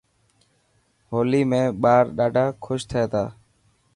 هولي ۾ ٻار ڏاڌا ڪوش ٿي تا.